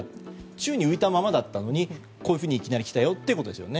宙に浮いたままだったのにこういうふうに、いきなり来たということですよね。